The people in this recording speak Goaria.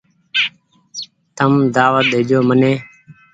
تم دآوت ڏيجو مني ۔